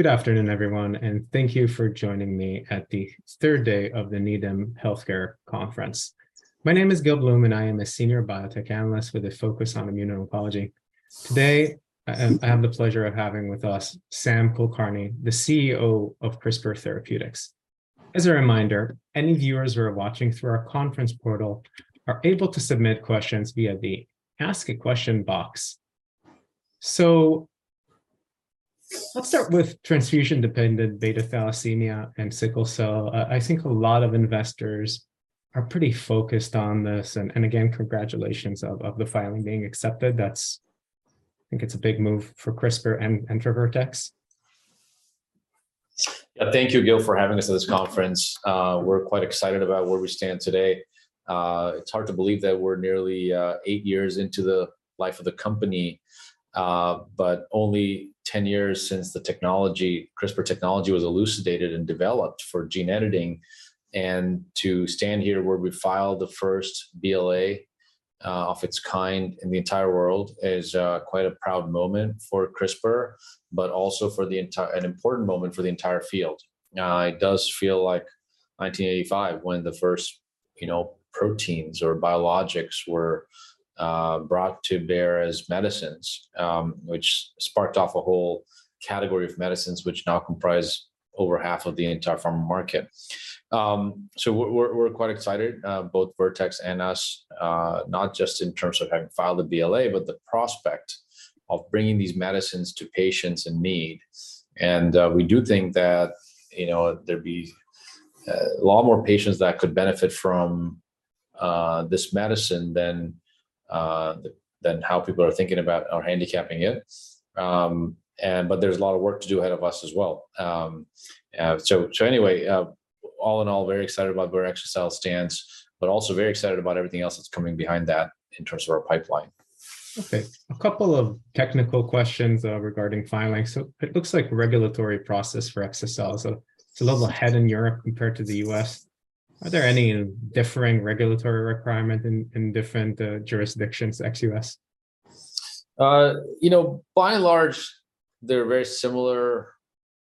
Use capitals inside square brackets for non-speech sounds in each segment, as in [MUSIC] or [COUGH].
Good afternoon, everyone, and thank you for joining me at the third day of the Needham Healthcare Conference. My name is Gil Blum, and I am a senior biotech analyst with a focus on immuno-oncology. Today, I have the pleasure of having with us Sam Kulkarni, the CEO of CRISPR Therapeutics. As a reminder, any viewers who are watching through our conference portal are able to submit questions via the Ask a Question box. Let's start with transfusion-dependent beta thalassemia and sickle cell. I think a lot of investors are pretty focused on this, and again, congratulations of the filing being accepted. That's I think it's a big move for CRISPR and for Vertex. Yeah. Thank you, Gil, for having us at this conference. We're quite excited about where we stand today. It's hard to believe that we're nearly eight years into the life of the company, but only 10 years since the technology, CRISPR technology, was elucidated and developed for gene editing. To stand here where we filed the first BLA, of its kind in the entire world is, quite a proud moment for CRISPR, but also for an important moment for the entire field. It does feel like 1985 when the first, you know, proteins or biologics were, brought to bear as medicines, which sparked off a whole category of medicines which now comprise over half of the entire pharma market. We're quite excited, both Vertex and us, not just in terms of having filed a BLA, but the prospect of bringing these medicines to patients in need. We do think that, you know, there'd be a lot more patients that could benefit from this medicine than than how people are thinking about or handicapping it. There's a lot of work to do ahead of us as well. Anyway, all in all, very excited about where exa-cel stands, but also very excited about everything else that's coming behind that in terms of our pipeline. Okay. A couple of technical questions regarding filings. It looks like regulatory process for exa-cel is a little ahead in Europe compared to the US. Are there any differing regulatory requirement in different jurisdictions ex-US? you know, by and large, they're very similar,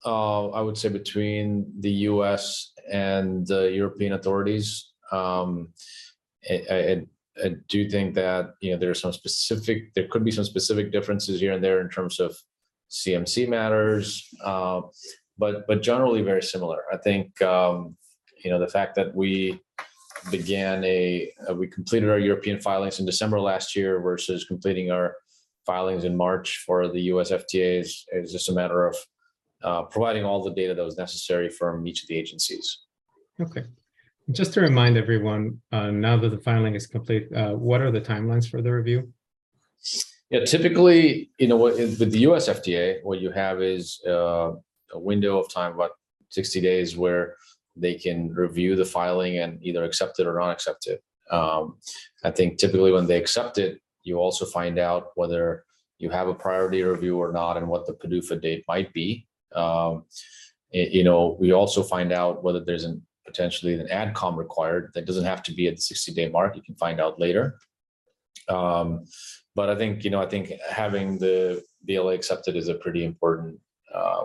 I would say between the US and the European authorities. I do think that, you know, there are some specific, there could be some specific differences here and there in terms of CMC matters, but generally very similar. I think, you know, the fact that we completed our European filings in December last year versus completing our filings in March for the US BLAs, it was just a matter of providing all the data that was necessary from each of the agencies. Okay. Just to remind everyone, now that the filing is complete, what are the timelines for the review? Yeah. Typically, you know, with the US FDA, what you have is a window of time, about 60 days, where they can review the filing and either accept it or not accept it. I think typically when they accept it, you also find out whether you have a priority review or not and what the PDUFA date might be. You know, we also find out whether there's potentially an AdCom required. That doesn't have to be at the 60-day mark. You can find out later. I think, you know, I think having the BLA accepted is a pretty important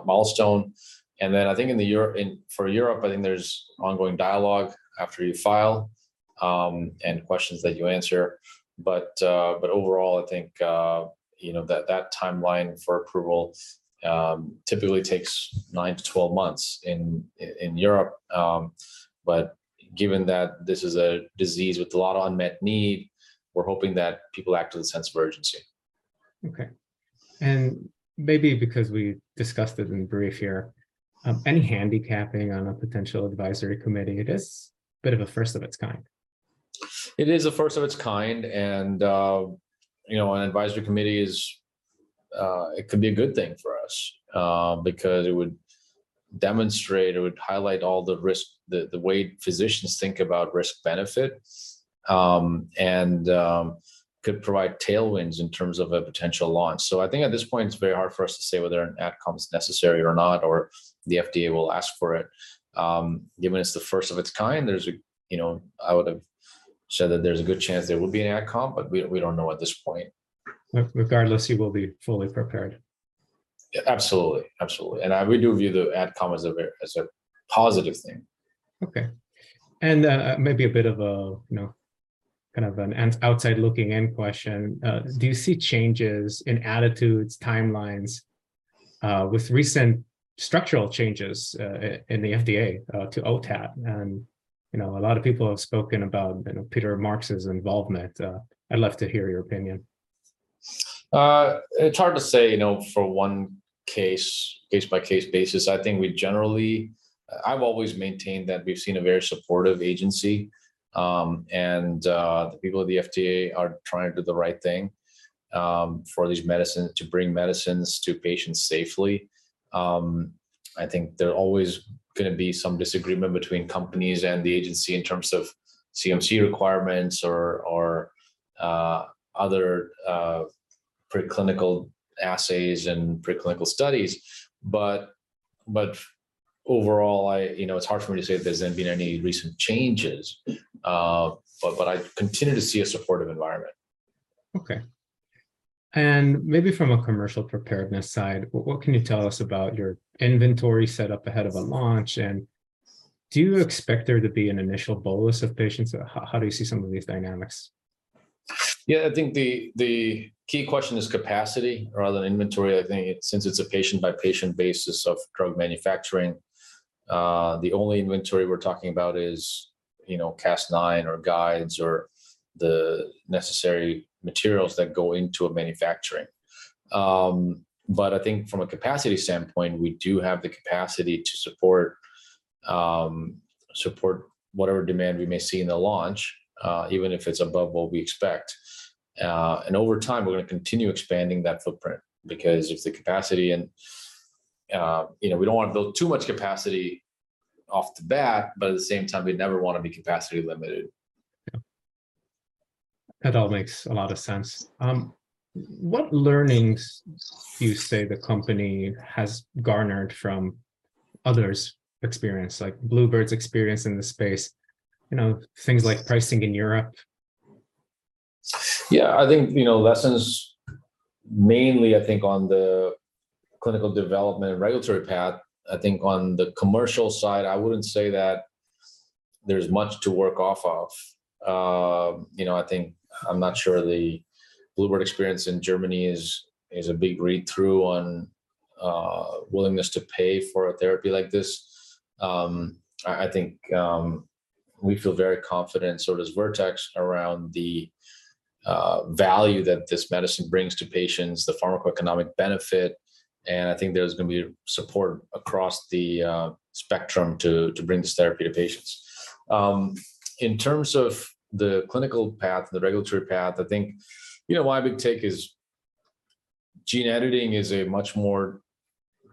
milestone. I think in Europe, for Europe, I think there's ongoing dialogue after you file, and questions that you answer. Overall I think, you know, that timeline for approval, typically takes nine to 12 months in Europe. Given that this is a disease with a lot of unmet need, we're hoping that people act with a sense of urgency. Okay. Maybe because we discussed it in brief here, any handicapping on a potential advisory committee? It is bit of a first of its kind. It is a first of its kind, and, you know, an advisory committee is, it could be a good thing for us, because it would demonstrate, it would highlight all the risk, the way physicians think about risk/benefit, and, could provide tailwinds in terms of a potential launch. I think at this point it's very hard for us to say whether an AdCom's necessary or not, or the FDA will ask for it. Given it's the first of its kind, there's a, you know, I would have said that there's a good chance there will be an AdCom, but we don't know at this point. Regardless, you will be fully prepared. Yeah, absolutely. Absolutely. We do view the AdCom as a positive thing. Okay. Maybe a bit of a, you know, kind of an outside-looking-in question. Do you see changes in attitudes, timelines, in the FDA, to OTAT? A lot of people have spoken about, you know, Peter Marks's involvement. I'd love to hear your opinion. It's hard to say, you know, for one case-by-case basis. I think we generally I've always maintained that we've seen a very supportive agency, and the people of the FDA are trying to do the right thing, for these to bring medicines to patients safely. I think there are always gonna be some disagreement between companies and the agency in terms of CMC requirements or other preclinical assays and preclinical studies. Overall, I, you know, it's hard for me to say there's been any recent changes. I continue to see a supportive environment. Okay. Maybe from a commercial preparedness side, what can you tell us about your inventory set up ahead of a launch, and do you expect there to be an initial bolus of patients? How do you see some of these dynamics? Yeah, I think the key question is capacity rather than inventory. I think since it's a patient-by-patient basis of drug manufacturing, the only inventory we're talking about is, you know, Cas9 or guides or the necessary materials that go into a manufacturing. I think from a capacity standpoint, we do have the capacity to support whatever demand we may see in the launch, even if it's above what we expect. Over time, we're gonna continue expanding that footprint because if the capacity and, you know, we don't wanna build too much capacity off the bat, but at the same time, we never wanna be capacity limited. Yeah. That all makes a lot of sense. What learnings do you say the company has garnered from others' experience, like bluebird bio's experience in this space, you know, things like pricing in Europe? Yeah. I think, you know, lessons mainly I think on the clinical development and regulatory path. I think on the commercial side, I wouldn't say that there's much to work off of. You know, I think I'm not sure the bluebird bio experience in Germany is a big read-through on willingness to pay for a therapy like this. I think we feel very confident, so does Vertex, around the value that this medicine brings to patients, the pharmacoeconomic benefit, and I think there's gonna be support across the spectrum to bring this therapy to patients. In terms of the clinical path, the regulatory path, I think, you know, my big take is gene editing is a much more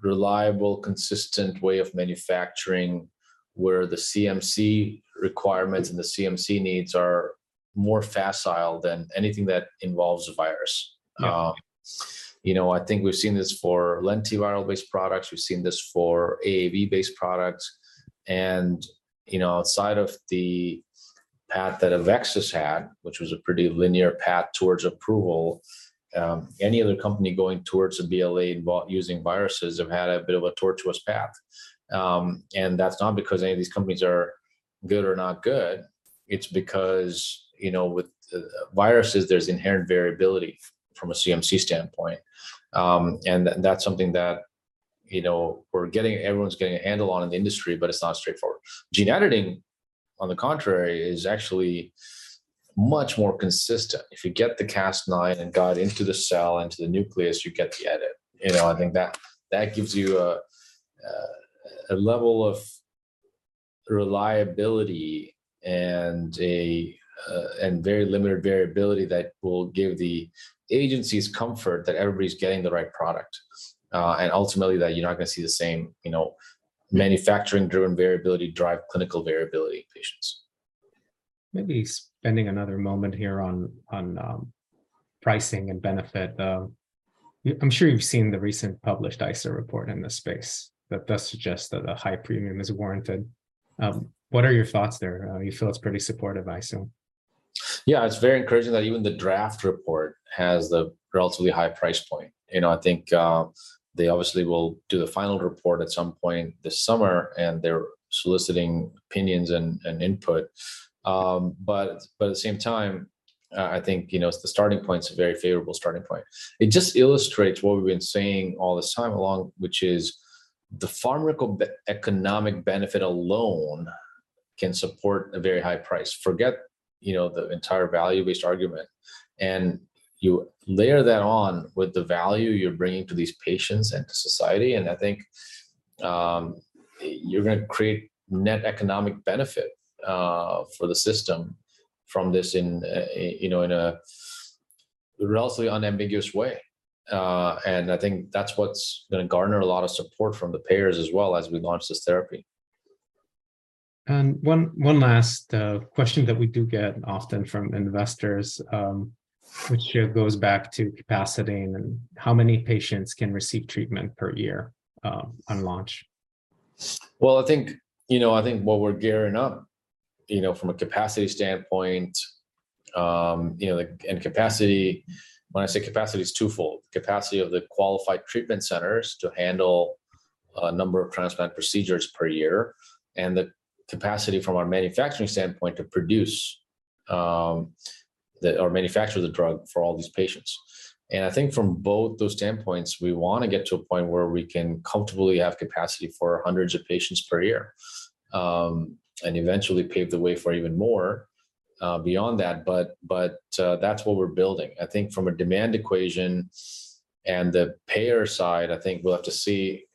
reliable, consistent way of manufacturing, where the CMC requirements and the CMC needs are more facile than anything that involves a virus. You know, I think we've seen this for lentiviral-based products. We've seen this for AAV-based products. You know, outside of the path that AveXis had, which was a pretty linear path towards approval, any other company going towards a BLA using viruses have had a bit of a tortuous path. That's not because any of these companies are good or not good. It's because, you know, with viruses, there's inherent variability from a CMC standpoint. That's something that, you know, we're getting, everyone's getting a handle on in the industry, but it's not straightforward. Gene editing, on the contrary, is actually much more consistent. If you get the Cas9 and guide into the cell, into the nucleus, you get the edit. You know, I think that gives you a level of reliability and a and very limited variability that will give the agencies comfort that everybody's getting the right product, and ultimately that you're not gonna see the same, you know, manufacturing-driven variability drive clinical variability in patients. Maybe spending another moment here on pricing and benefit. I'm sure you've seen the recent published ICER report in this space that does suggest that a high premium is warranted. What are your thoughts there? You feel it's pretty supportive, I assume. Yeah. It's very encouraging that even the draft report has the relatively high price point. You know, I think, they obviously will do the final report at some point this summer, and they're soliciting opinions and input. At the same time, I think, you know, the starting point's a very favorable starting point. It just illustrates what we've been saying all this time along, which is the pharmacoeconomic benefit alone can support a very high price. Forget, you know, the entire value-based argument, and you layer that on with the value you're bringing to these patients and to society, and I think, you're gonna create net economic benefit, for the system from this in, you know, in a relatively unambiguous way. I think that's what's gonna garner a lot of support from the payers as well as we launch this therapy. One last question that we do get often from investors, which goes back to capacity and how many patients can receive treatment per year on launch. Well, I think, you know, I think what we're gearing up, you know, from a capacity standpoint, you know, like, and capacity, when I say capacity, it's twofold. Capacity of the qualified treatment centers to handle a number of transplant procedures per year and the capacity from our manufacturing standpoint to produce or manufacture the drug for all these patients. I think from both those standpoints, we wanna get to a point where we can comfortably have capacity for hundreds of patients per year and eventually pave the way for even more beyond that, but that's what we're building. I think from a demand equation and the payer side, I think we'll have to see,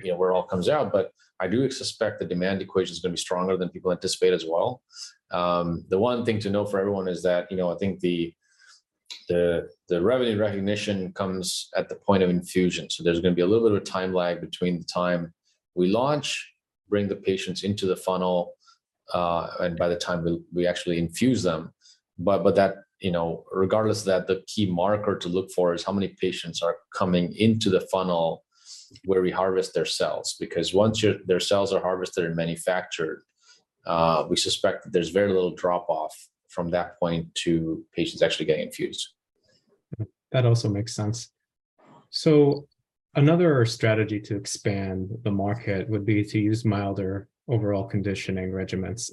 you know, where it all comes out, but I do suspect the demand equation's gonna be stronger than people anticipate as well. The one thing to know for everyone is that, you know, I think the revenue recognition comes at the point of infusion, so there's gonna be a little bit of a time lag between the time we launchBring the patients into the funnel, and by the time we actually infuse them. That, you know, regardless that the key marker to look for is how many patients are coming into the funnel where we harvest their cells. Because once their cells are harvested and manufactured, we suspect that there's very little drop-off from that point to patients actually getting infused. That also makes sense. Another strategy to expand the market would be to use milder overall conditioning regimens.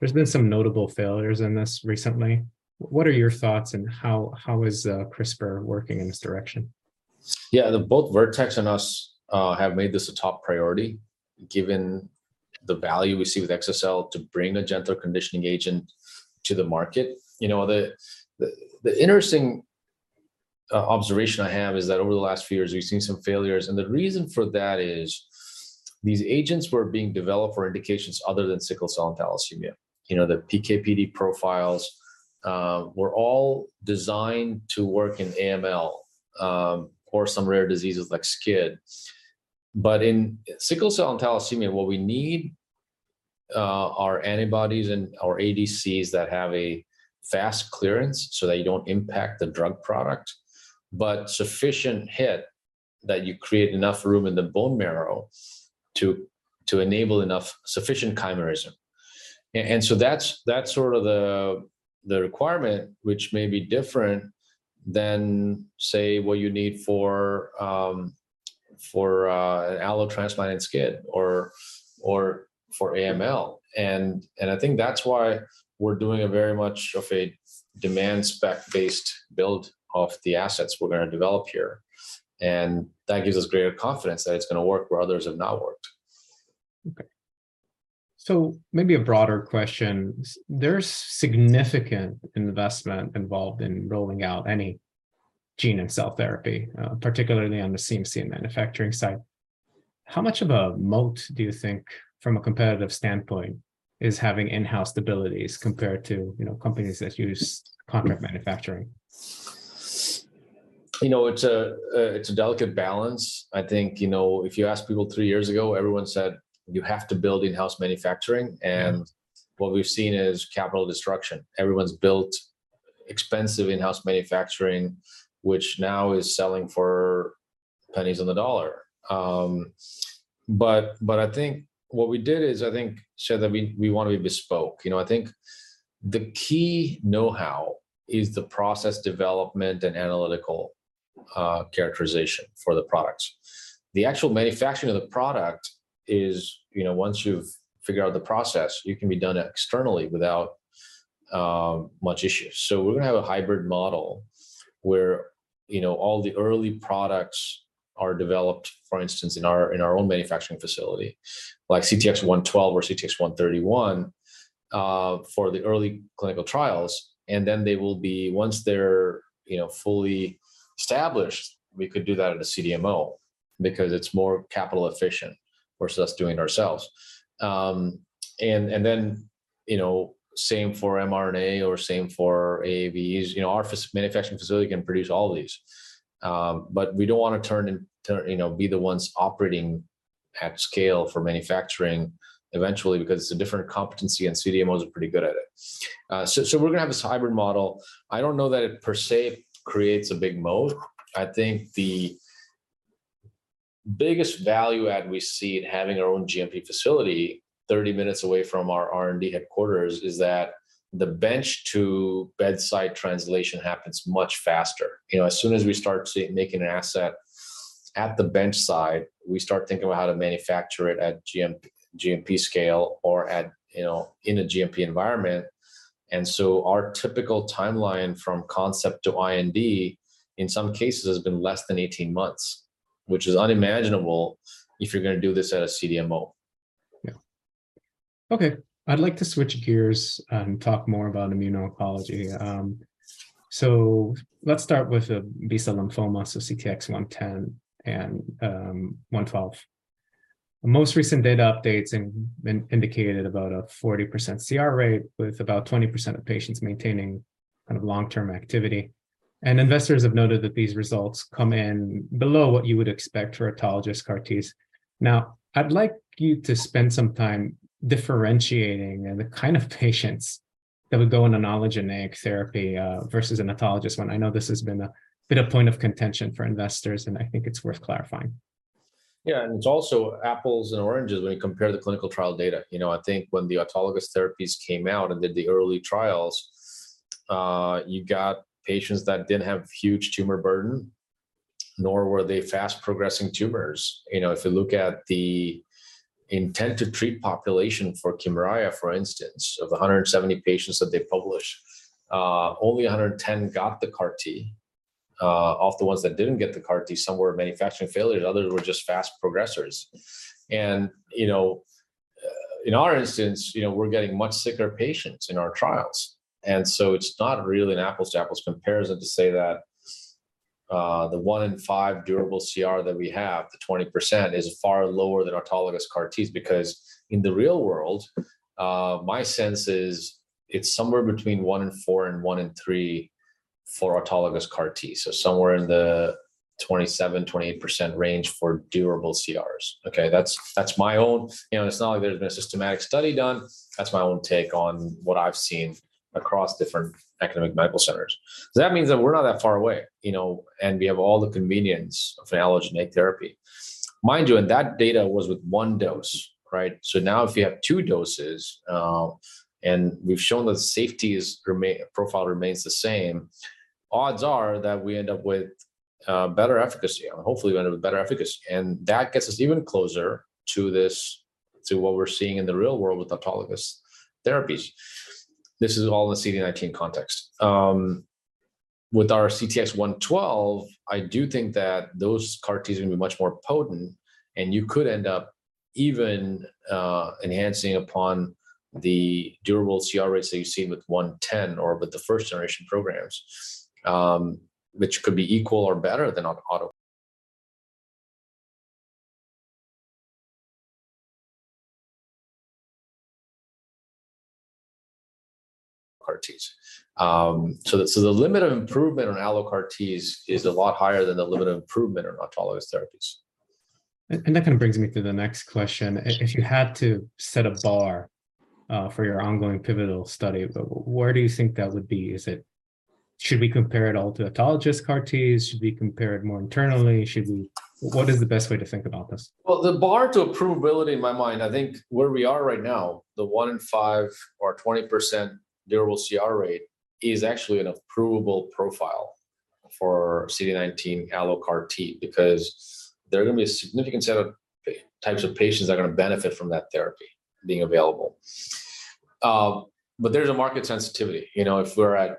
There's been some notable failures in this recently. What are your thoughts and how is CRISPR working in this direction? Yeah. Both Vertex and us, have made this a top priority given the value we see with exa-cel to bring a gentler conditioning agent to the market. You know, the interesting observation I have is that over the last few years we've seen some failures. The reason for that is these agents were being developed for indications other than sickle cell and thalassemia. You know, the PK/PD profiles, were all designed to work in AML, or some rare diseases like SCID. In sickle cell and thalassemia, what we need, are antibodies and, or ADCs that have a fast clearance so that you don't impact the drug product, but sufficient hit that you create enough room in the bone marrow to enable enough sufficient chimerism. That's sort of the requirement which may be different than, say, what you need for allo transplant in SCID or for AML. I think that's why we're doing a very much of a demand spec-based build of the assets we're gonna develop here, and that gives us greater confidence that it's gonna work where others have not worked. Okay. Maybe a broader question? There's significant investment involved in rolling out any gene and cell therapy, particularly on the CMC and manufacturing side. How much of a moat do you think from a competitive standpoint is having in-house abilities compared to, you know, companies that use contract manufacturing? You know, it's a delicate balance. I think, you know, if you asked people three years ago, everyone said you have to build in-house manufacturing, and what we've seen is capital destruction. Everyone's built expensive in-house manufacturing, which now is selling for pennies on the dollar. I think what we did is, I think, should have been, that we wanna be bespoke. You know, I think the key knowhow is the process development and analytical characterization for the products. The actual manufacturing of the product is, you know, once you've figured out the process, it can be done externally without much issue. We're gonna have a hybrid model where, you know, all the early products are developed, for instance, in our, in our own manufacturing facility, like CTX112 or CTX131, for the early clinical trials, and then they will be. Once they're, you know, fully established, we could do that at a CDMO because it's more capital efficient versus us doing it ourselves. You know, same for mRNA or same for AAVs. You know, our manufacturing facility can produce all of these, but we don't wanna turn and turn, you know, be the ones operating at scale for manufacturing eventually because it's a different competency, and CDMOs are pretty good at it. We're gonna have this hybrid model. I don't know that it per se creates a big moat. I think the biggest value add we see in having our own GMP facility 30 minutes away from our R&D headquarters is that the bench to bedside translation happens much faster. You know, as soon as we start making an asset at the bench side, we start thinking about how to manufacture it at GMP scale or at, you know, in a GMP environment. Our typical timeline from concept to IND in some cases has been less than 18 months, which is unimaginable if you're gonna do this at a CDMO. Yeah. Okay. I'd like to switch gears and talk more about immuno-oncology. Let's start with B-cell lymphoma, CTX110 and One-twelve. The most recent data updates indicated about a 40% CR rate with about 20% of patients maintaining kind of long-term activity, and investors have noted that these results come in below what you would expect for autologous CAR Ts. I'd like you to spend some time differentiating the kind of patients that would go on an allogeneic therapy versus an autologous one. I know this has been a point of contention for investors, and I think it's worth clarifying. Yeah. It's also apples and oranges when you compare the clinical trial data. You know, I think when the autologous therapies came out and did the early trials, you got patients that didn't have huge tumor burden, nor were they fast progressing tumors. You know, if you look at the intent to treat population for Kymriah, for instance, of the 170 patients that they published, only 110 got the CAR T. Of the ones that didn't get the CAR T, some were manufacturing failures, others were just fast progressers. You know, in our instance, you know, we're getting much sicker patients in our trials. It's not really an apples to apples comparison to say that, the one in five durable CR that we have, the 20%, is far lower than autologous CAR Ts because in the real world, my sense is it's somewhere between one in four and one in three for autologous CAR T. Somewhere in the 27% to 28% range for durable CRs, okay? That's my own. You know, it's not like there's been a systematic study done. That's my own take on what I've seen across different academic medical centers. That means that we're not that far away, you know, and we have all the convenience of an allogeneic therapy. Mind you, that data was with one dose, right? Now if you have two doses, and we've shown the safety profile remains the same, odds are that we end up with better efficacy, or hopefully we end up with better efficacy, and that gets us even closer to this, to what we're seeing in the real world with autologous therapies. This is all in the CD19 context. With our CTX112, I do think that those CAR Ts are gonna be much more potent, and you could end up even enhancing upon the durable CR rates that you've seen with 110 or with the first generation programs, which could be equal or better than on auto CAR Ts. So the limit of improvement on allo CAR Ts is a lot higher than the limit of improvement on autologous therapies. That kind of brings me to the next question. If you had to set a bar for your ongoing pivotal study, where do you think that would be? Should we compare it all to autologous CAR Ts? Should we compare it more internally? What is the best way to think about this? Well, the bar to approvability in my mind, I think where we are right now, the one in five or 20% durable CR rate is actually an approvable profile for CD19 allo CAR T, because there are gonna be a significant set of types of patients that are gonna benefit from that therapy being available. There's a market sensitivity. You know, if we're at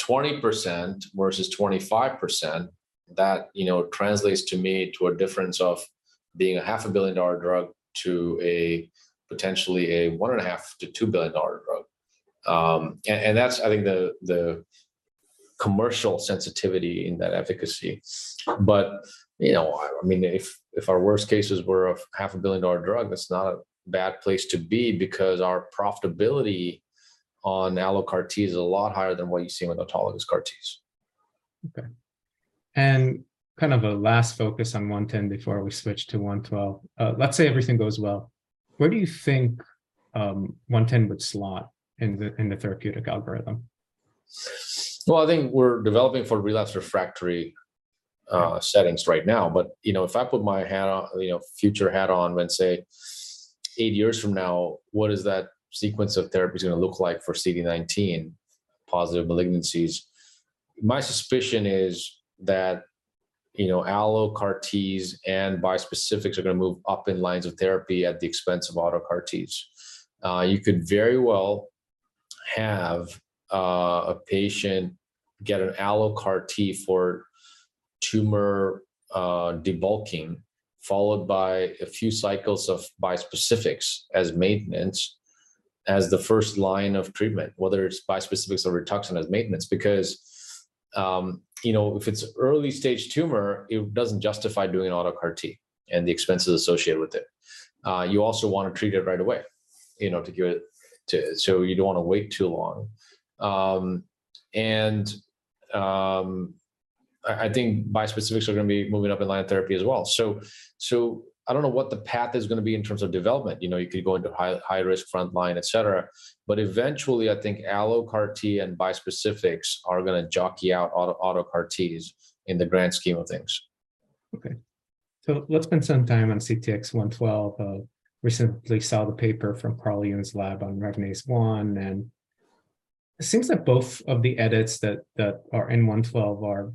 20% versus 25%, that, you know, translates to me to a difference of being a half a billion-dollar drug to a potentially a one and a half to $2 billion drug. That's I think the commercial sensitivity in that efficacy. You know, I mean, if our worst cases were a half a billion-dollar drug, that's not a bad place to be because our profitability on allo CAR T is a lot higher than what you've seen with autologous CAR Ts. Okay. kind of a last focus on 110 before we switch to 112. let's say everything goes well. Where do you think, 110 would slot in the, in the therapeutic algorithm? Well, I think we're developing for relapsed refractory settings right now, but, you know, if I put my hat on, you know, future hat on and say eight years from now, what is that sequence of therapies gonna look like for CD19 positive malignancies, my suspicion is that, you know, allo CAR Ts and bispecifics are gonna move up in lines of therapy at the expense of auto CAR Ts. You could very well have a patient get an allo CAR T for tumor debulking followed by a few cycles of bispecifics as maintenance as the first line of treatment, whether it's bispecifics or Rituxan as maintenance. You know, if it's early stage tumor, it doesn't justify doing auto CAR T and the expenses associated with it. You also wanna treat it right away, you know, to give it to. You don't wanna wait too long. I think bispecifics are gonna be moving up in line of therapy as well. I don't know what the path is gonna be in terms of development, you know. You could go into high risk, frontline, et cetera. Eventually I think allo CAR T and bispecifics are gonna jockey out auto CAR Ts in the grand scheme of things. Okay. Let's spend some time on CTX112. Recently saw the paper from Carl June's lab on RAG1, and it seems that both of the edits that are in 112 are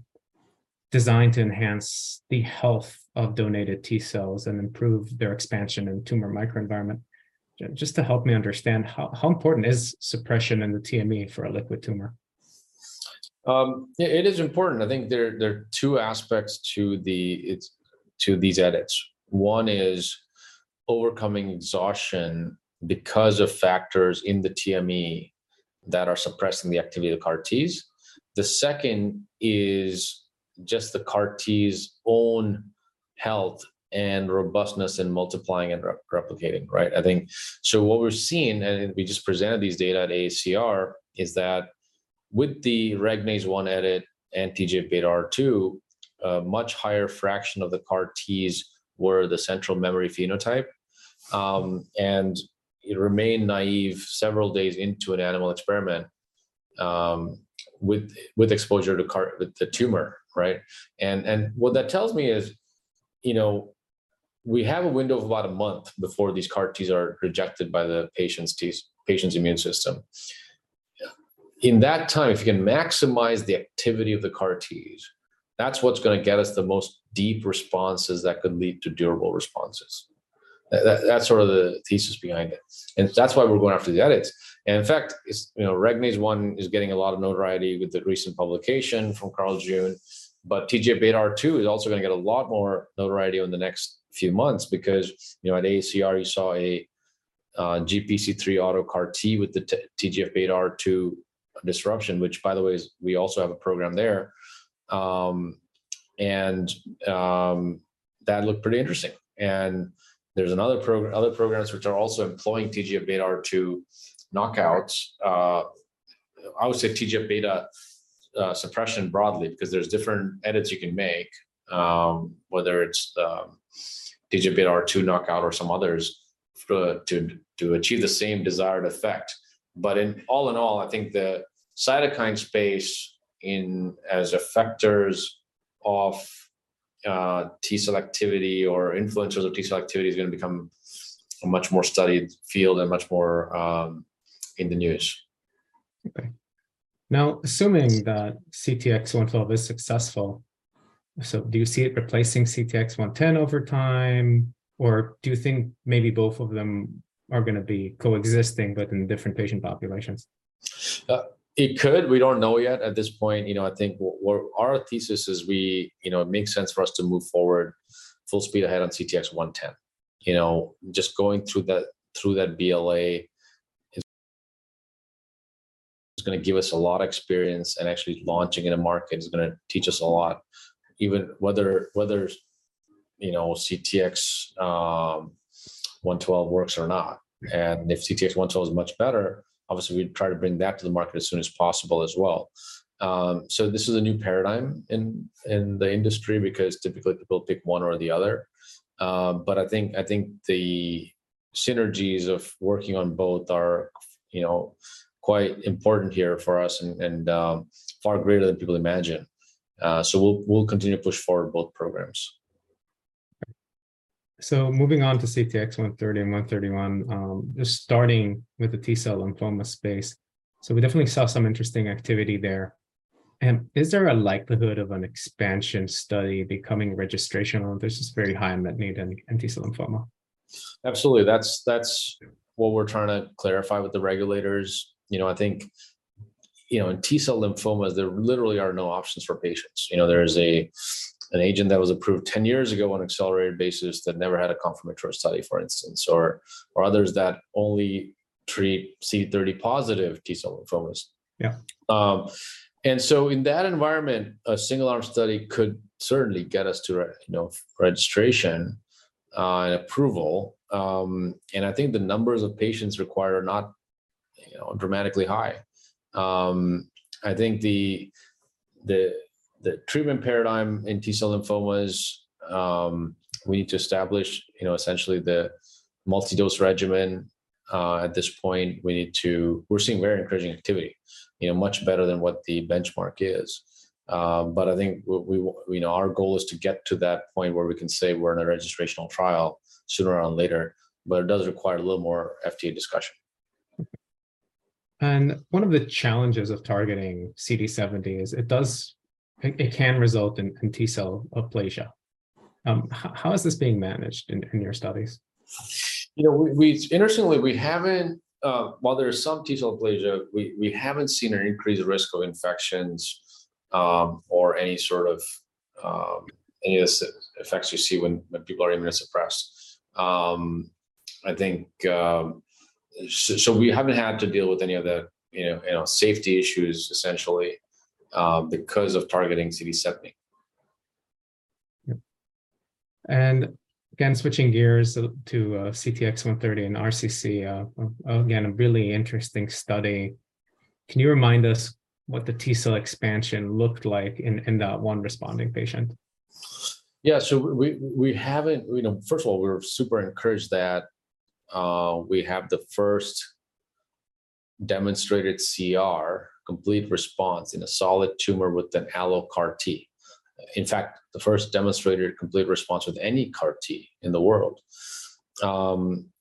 designed to enhance the health of donated T cells and improve their expansion in tumor microenvironment. Just to help me understand, how important is suppression in the TME for a liquid tumor? Yeah, it is important. I think there are two aspects to the its, to these edits. One is overcoming exhaustion because of factors in the TME that are suppressing the activity of CAR Ts. The second is just the CAR T's own health and robustness in multiplying and replicating, right? I think what we're seeing, and we just presented these data at ACR, is that with the RAG1 edit and TGF-βR2, a much higher fraction of the CAR Ts were the central memory phenotype, and it remained naive several days into an animal experiment with exposure to CAR, with the tumor, right? What that tells me is, you know, we have a window of about a month before these CAR Ts are rejected by the patient's immune system. In that time, if you can maximize the activity of the CAR Ts, that's what's gonna get us the most deep responses that could lead to durable responses. That's sort of the thesis behind it. That's why we're going after the edits. In fact, it's, you know, RAG1 is getting a lot of notoriety with the recent publication from Carl June, but TGF-βR2 is also gonna get a lot more notoriety over the next few months because, you know, at ACR you saw a GPC3 auto CAR T with the T-TGF-βR2 disruption, which by the way is, we also have a program there, and that looked pretty interesting. There's another program, other programs which are also employing TGF-βR2 knockouts. I would say TGF-beta suppression broadly because there's different edits you can make, whether it's TGF-βR2 knockout or some others to achieve the same desired effect. In all in all, I think the cytokine space in, as effectors of T cell activity or influencers of T cell activity is gonna become a much more studied field and much more in the news. Okay. Assuming that CTX112 is successful, so do you see it replacing CTX110 over time or do you think maybe both of them are gonna be coexisting but in different patient populations? It could. We don't know yet at this point. You know, I think what our thesis is we, you know, it makes sense for us to move forward full speed ahead on CTX110. You know, just going through that BLA is gonna give us a lot of experience, and actually launching in a market is gonna teach us a lot, even whether, you know, CTX112 works or not. If CTX112 is much better, obviously we'd try to bring that to the market as soon as possible as well. This is a new paradigm in the industry because typically people pick one or the other. I think the synergies of working on both are, you know, quite important here for us and far greater than people imagine. We'll continue to push forward both programs. Moving on to CTX130 and 131, just starting with the T-cell lymphoma space. We definitely saw some interesting activity there. Is there a likelihood of an expansion study becoming registrational? This is very high unmet need in T-cell lymphoma. Absolutely. That's what we're trying to clarify with the regulators. You know, I think, you know, in T-cell lymphomas, there literally are no options for patients. You know, there's an agent that was approved 10 years ago on accelerated basis that never had a confirmatory study, for instance, or others that only treat CD30 positive T-cell lymphomas. Yeah. In that environment, a single arm study could certainly get us to you know, registration and approval. I think the numbers of patients required are not, you know, dramatically high. I think the treatment paradigm in T-cell lymphomas, we need to establish, you know, essentially the multi-dose regimen. At this point, we're seeing very encouraging activity, you know, much better than what the benchmark is. I think what we you know, our goal is to get to that point where we can say we're in a registrational trial sooner rather than later, but it does require a little more FDA discussion. One of the challenges of targeting CD70 is it can result in T-cell aplasia. How is this being managed in your studies? You know, we interestingly, we haven't, while there is some T-cell aplasia, we haven't seen an increased risk of infections, or any sort of, any of the effects you see when people are immunosuppressed. I think, we haven't had to deal with any of the, you know safety issues essentially, because of targeting CD70. Yep. Switching gears to CTX130 and RCC, again, a really interesting study. Can you remind us what the T-cell expansion looked like in that one responding patient? Yeah. We, we haven't, you know, first of all, we're super encouraged that we have the first demonstrated CR, complete response, in a solid tumor with an allo CAR T. In fact, the first demonstrated complete response with any CAR T in the world.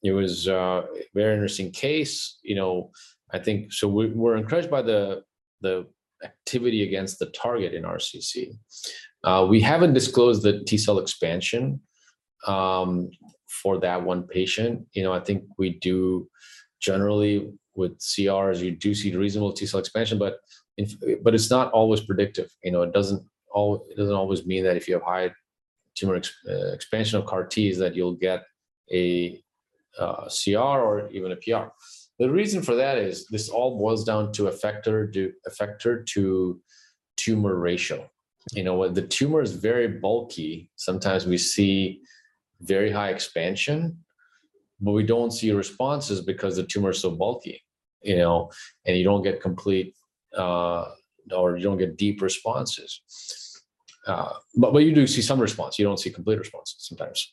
It was a very interesting case, you know, I think. We're encouraged by the activity against the target in RCC. We haven't disclosed the T-cell expansion for that one patient. You know, I think we do generally with CR as you do see the reasonable T-cell expansion, but it's not always predictive. You know, it doesn't always mean that if you have high tumor expansion of CAR Ts, that you'll get a CR or even a PR. The reason for that is this all boils down to effector to tumor ratio. You know, when the tumor is very bulky, sometimes we see very high expansion, but we don't see responses because the tumor is so bulky, you know, and you don't get complete, or you don't get deep responses. But you do see some response. You don't see complete responses sometimes.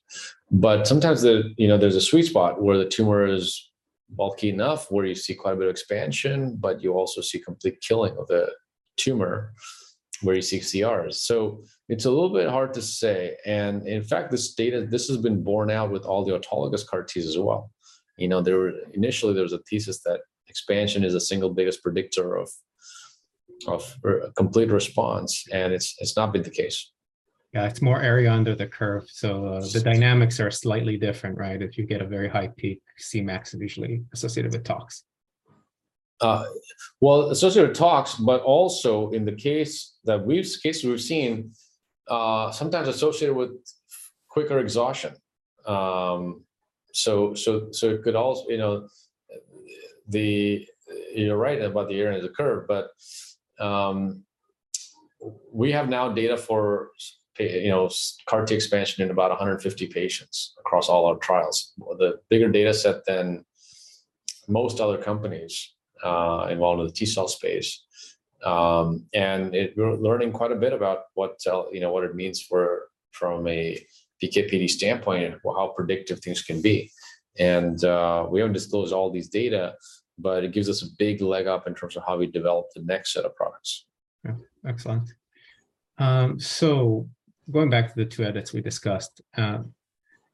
Sometimes the, you know, there's a sweet spot where the tumor is bulky enough, where you see quite a bit of expansion, but you also see complete killing of the tumor where you see CRs. It's a little bit hard to say, and in fact, this data, this has been borne out with all the autologous CAR Ts as well. You know, initially there was a thesis that expansion is the single biggest predictor of a complete response, and it's not been the case. Yeah. It's more area under the curve... [CROSSTALK] Yes. The dynamics are slightly different, right? If you get a very high peak, Cmax is usually associated with tox. Well, associated with tox, but also in the case we've seen, sometimes associated with quicker exhaustion. So it could, you know, you're right about the area of the curve, we have now data for, you know, CAR T expansion in about 150 patients across all our trials. The bigger data set than most other companies, involved with T-cell space. We're learning quite a bit about what cell, you know, what it means from a PK/PD standpoint how predictive things can be. We don't disclose all these data, but it gives us a big leg up in terms of how we develop the next set of products. Yeah. Excellent. Going back to the two edits we discussed,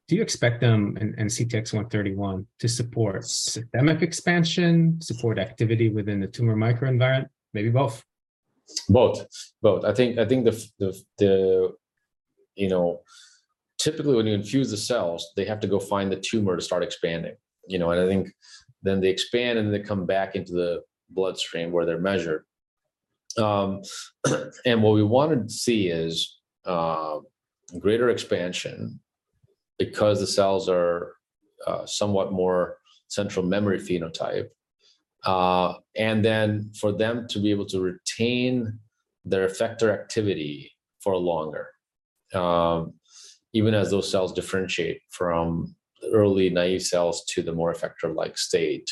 do you expect them and CTX131 to support systemic expansion, support activity within the tumor microenvironment, maybe both? Both. I think the, you know. Typically, when you infuse the cells, they have to go find the tumor to start expanding, you know. I think then they expand, and they come back into the bloodstream where they're measured. What we wanna see is greater expansion because the cells are somewhat more central memory phenotype, and then for them to be able to retain their effector activity for longer, even as those cells differentiate from early naive cells to the more effector-like state,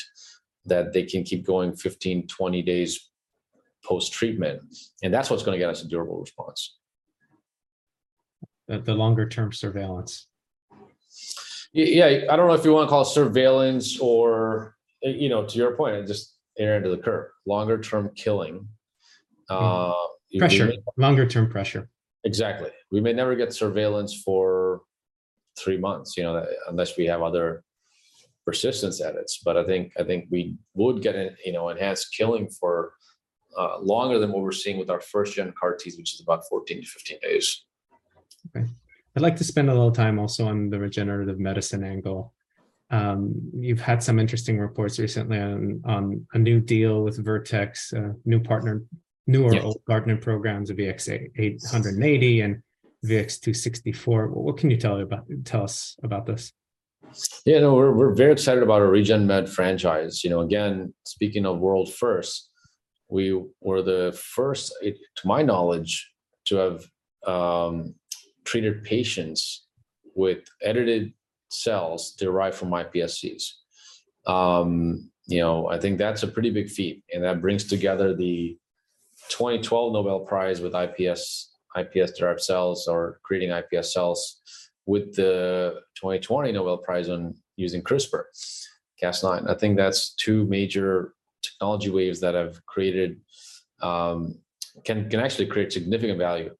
that they can keep going 15, 20 days post-treatment, and that's what's gonna get us a durable response. The longer term surveillance. Yeah. I don't know if you wanna call it surveillance or, you know, to your point, just air into the curve, longer term killing, pressure. Pressure. Longer term pressure. Exactly. We may never get surveillance for three months, you know, unless we have other persistence edits. I think we would get it, you know, enhanced killing for longer than what we're seeing with our first gen CAR T's, which is about 14 to 15 days. Okay. I'd like to spend a little time also on the regenerative medicine angle. You've had some interesting reports recently on a new deal with Vertex, a new partner... [CROSSTALK] Yes. Next generation programs of VX-880 and VX-264. What can you tell us about this? Yeah, no, we're very excited about our regen med franchise. You know, again, speaking of world firsts, we were the first, to my knowledge, to have treated patients with edited cells derived from iPSCs. You know, I think that's a pretty big feat, and that brings together the 2012 Nobel Prize with iPS-derived cells or creating iPS cells with the 2020 Nobel Prize on using CRISPR-Cas9. I think that's two major technology waves that have created, can actually create significant value.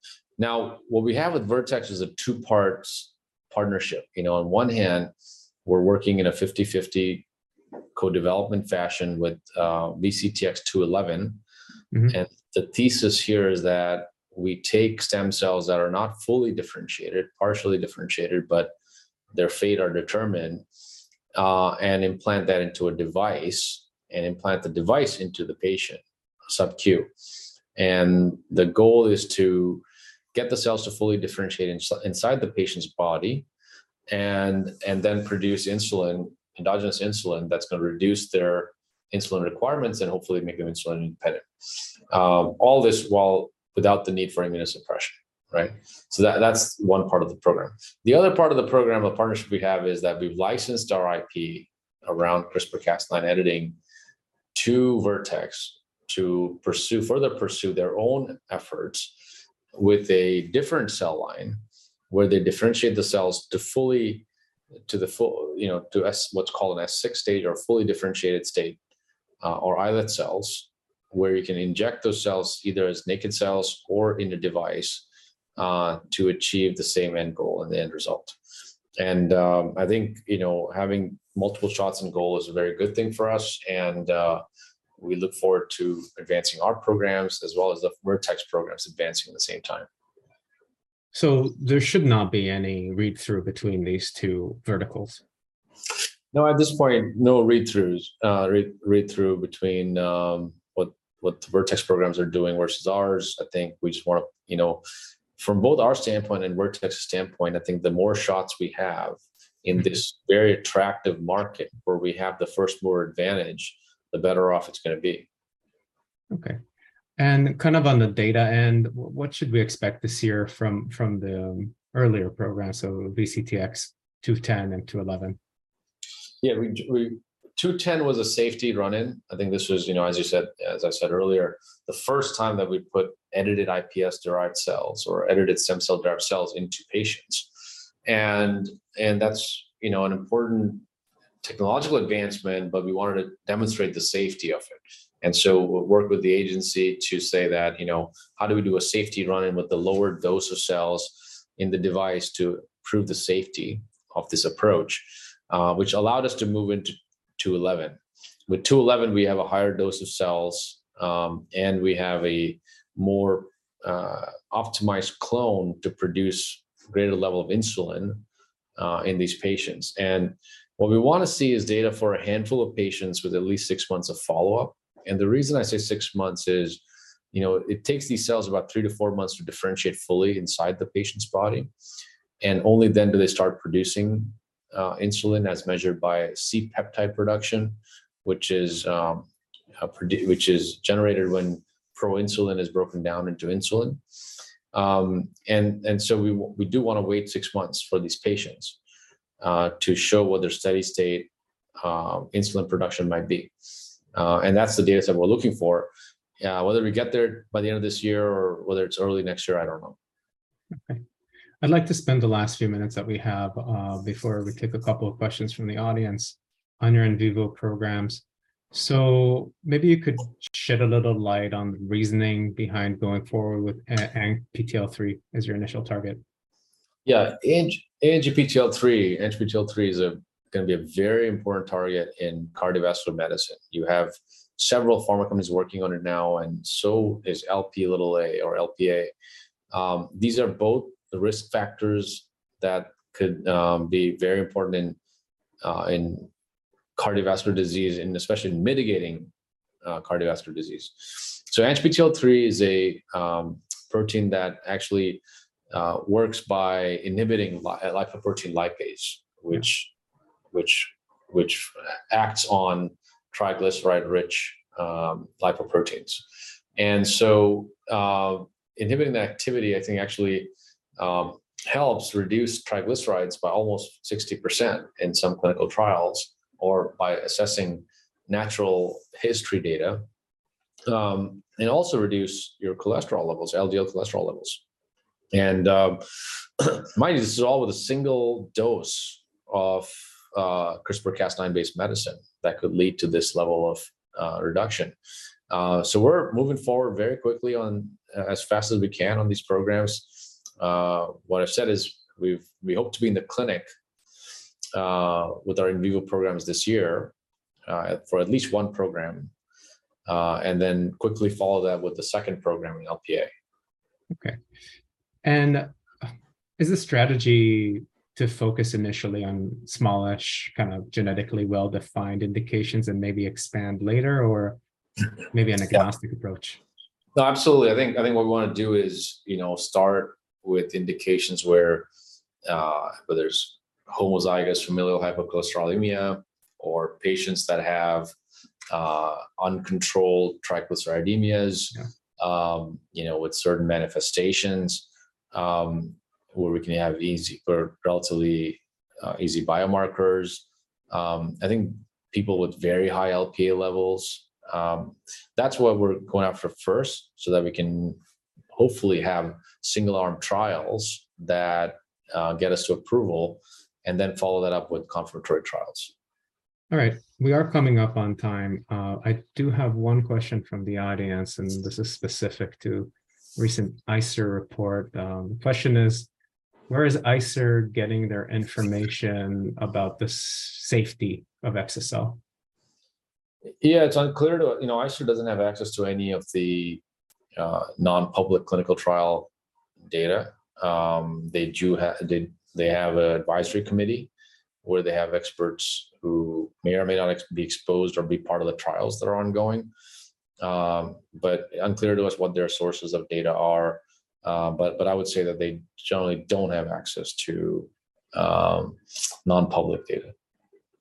What we have with Vertex is a two-parts partnership. You know, on one hand, we're working in a 50/50 co-development fashion with VCTX211. Mm-hmm. The thesis here is that we take stem cells that are not fully differentiated, partially differentiated, but their fate are determined, and implant that into a device, and implant the device into the patient, sub Q. The goal is to get the cells to fully differentiate inside the patient's body and then produce insulin, endogenous insulin that's gonna reduce their insulin requirements and hopefully make them insulin independent. All this while without the need for immunosuppression, right? That's one part of the program. The other part of the program, the partnership we have is that we've licensed our IP around CRISPR-Cas9 editing to Vertex to pursue, further pursue their own efforts with a different cell line, where they differentiate the cells to fully, to the full, you know, to what's called an S6 state or a fully differentiated state, or islet cells, where you can inject those cells either as naked cells or in a device, to achieve the same end goal and the end result. I think, you know, having multiple shots on goal is a very good thing for us, and we look forward to advancing our programs as well as the Vertex programs advancing at the same time. There should not be any read-through between these two verticals. No, at this point, no read-throughs, read-through between what the Vertex programs are doing versus ours. I think we just wanna, you know, from both our standpoint and Vertex standpoint, I think the more shots we have in this very attractive market where we have the first-mover advantage, the better off it's gonna be. Okay. Kind of on the data end, what should we expect this year from the earlier programs, so VCTX210 and VCTX211? Yeah. We 210 was a safety run-in. I think this was, you know, as you said, as I said earlier, the first time that we put edited iPS-derived cells or edited stem cell-derived cells into patients. That's, you know, an important technological advancement, but we wanted to demonstrate the safety of it. We worked with the agency to say that, you know, how do we do a safety run-in with the lower dose of cells in the device to prove the safety of this approach, which allowed us to move into 211. With 211, we have a higher dose of cells, and we have a more optimized clone to produce greater level of insulin in these patients. What we wanna see is data for a handful of patients with at least six months of follow-up. The reason I say six months is, you know, it takes these cells about three to four months to differentiate fully inside the patient's body, and only then do they start producing insulin as measured by C-peptide production, which is generated when proinsulin is broken down into insulin. We do wanna wait six months for these patients to show what their steady state insulin production might be. That's the data set we're looking for. Whether we get there by the end of this year or whether it's early next year, I don't know. Okay. I'd like to spend the last few minutes that we have before we take a couple of questions from the audience on your in vivo programs. Maybe you could shed a little light on the reasoning behind going forward with ANGPTL3 as your initial target. Yeah. ANGPTL3 is gonna be a very important target in cardiovascular medicine. You have several pharma companies working on it now, and so is LP little A or LPA. These are both the risk factors that could be very important in cardiovascular disease, and especially in mitigating cardiovascular disease. ANGPTL3 is a protein that actually works by inhibiting lipoprotein lipase, which acts on triglyceride-rich lipoproteins. Inhibiting that activity I think actually helps reduce triglycerides by almost 60% in some clinical trials, or by assessing natural history data, and also reduce your cholesterol levels, LDL cholesterol levels. Mind you, this is all with a single dose of CRISPR-Cas9 based medicine that could lead to this level of reduction. We're moving forward very quickly on, as fast as we can on these programs. What I've said is we hope to be in the clinic, with our in vivo programs this year, for at least one program, and then quickly follow that with the second program in LPA. Okay. Is the strategy to focus initially on smallish, kind of genetically well-defined indications and maybe expand later? Or maybe an agnostic approach? No, absolutely. I think what we wanna do is, you know, start with indications where whether it's homozygous familial hypercholesterolemia or patients that have uncontrolled... [INAUDIBLE] [CROSSTALK] Yeah. You know, with certain manifestations, where we can have easy or relatively easy biomarkers. I think people with very high LPA levels, that's what we're going after first so that we can hopefully have single arm trials that get us to approval and then follow that up with confirmatory trials. All right. We are coming up on time. I do have one question from the audience, and this is specific to recent ICER report. The question is, where is ICER getting their information about the safety of exa-cel? Yeah, You know, ICER doesn't have access to any of the non-public clinical trial data. They have an advisory committee where they have experts who may or may not be exposed or be part of the trials that are ongoing. Unclear to us what their sources of data are. I would say that they generally don't have access to non-public data.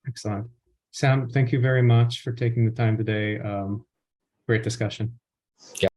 Excellent. Sam, thank you very much for taking the time today. Great discussion. Yeah.